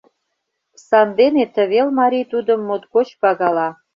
Сандене тывел марий тудым моткоч пагала.